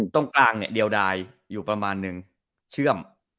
ตรงกลางเนี่ยเดียวดายอยู่ประมาณนึงเชื่อม